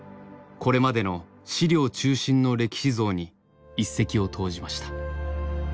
これまでの資料中心の歴史像に一石を投じました。